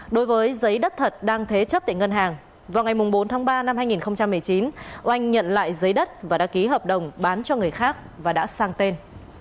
đối với giấy đất thật đang thế chấp tại ngân hàng vào ngày bốn tháng ba năm hai nghìn một mươi chín oanh nhận lại giấy đất và đã ký hợp đồng bán cho người khác và đã sang tên